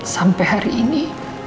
sampai hari ini